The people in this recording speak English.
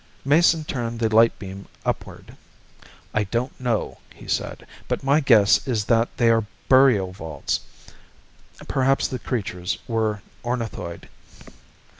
Mason turned the light beam upward. "I don't know," he said. "But my guess is that they are burial vaults. Perhaps the creatures were ornithoid."